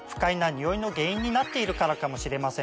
ニオイの原因になっているからかもしれません。